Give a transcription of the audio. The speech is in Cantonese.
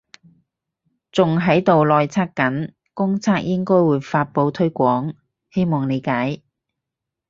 仲喺度內測緊，公測應該會發佈推廣，希望理解